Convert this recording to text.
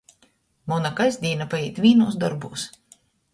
Muna kasdīna paīt vīnūs dorbūs.